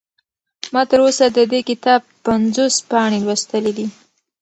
ما تر اوسه د دې کتاب پنځوس پاڼې لوستلي دي.